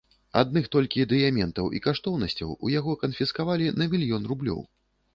Адных толькі дыяментаў і каштоўнасцяў у яго канфіскавалі на мільён рублёў.